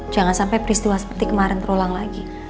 jangan sampai peristiwa seperti kemarin terulang lagi